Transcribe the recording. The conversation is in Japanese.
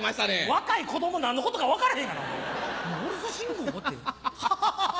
若い子供何のことか分からへんがなモールス信号？って。ハハハ。